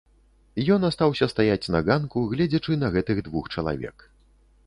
Ён астаўся стаяць на ганку, гледзячы на гэтых двух чалавек.